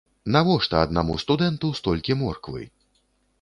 Навошта аднаму студэнту столькі морквы?